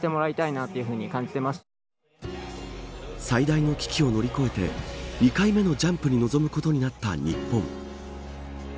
最大の危機を乗り越えて２回目のジャンプに臨むことになった日本。